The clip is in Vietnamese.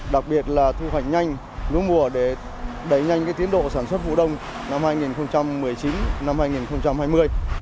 đặc biệt là thu hoạch nhanh lúa mùa để đẩy nhanh tiến độ sản xuất vụ đông năm hai nghìn một mươi chín hai nghìn hai mươi